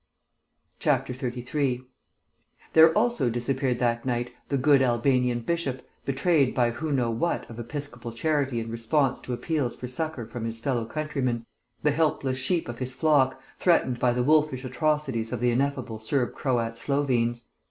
33 There also disappeared that night the good Albanian bishop, betrayed by who knew what of episcopal charity and response to appeals for succour from his fellow countrymen, the helpless sheep of his flock, threatened by the wolfish atrocities of the ineffable Serb Croat Slovenes.